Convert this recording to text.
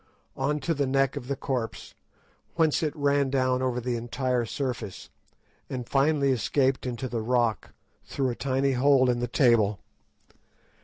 _ on to the neck of the corpse, whence it ran down over the entire surface, and finally escaped into the rock through a tiny hole in the table.